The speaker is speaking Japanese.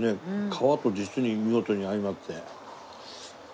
皮と実に見事に相まって。